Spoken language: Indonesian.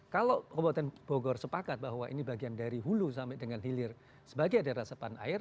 kalau kabupaten bogor sepakat bahwa ini bagian dari hulu sampai dengan hilir sebagai daerah sepan air